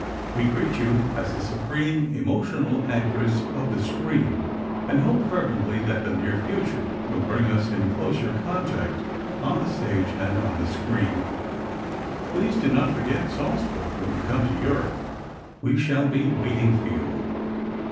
We greet you as the supreme emotional actress of the screen and hope fervently that the near future will bring us in closer contact on the stage and on the screen. Please do not forget Salzburg when you come to Europe. We shall be waiting for you.